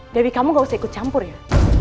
dari kamu gak usah ikut campur ya